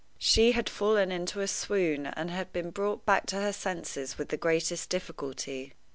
She had fallen into a swoon, and had been brought back to her senses with the greatest difficulty.